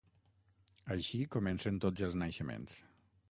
Així comencen tots els naixements.